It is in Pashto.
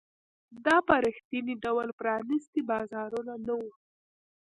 دا په رښتیني ډول پرانیستي بازارونه نه وو.